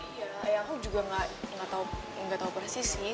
iya yang aku juga gak tau persis sih